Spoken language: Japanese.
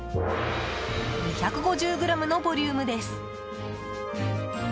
２５０ｇのボリュームです。